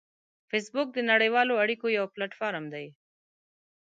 فېسبوک د نړیوالو اړیکو یو پلیټ فارم دی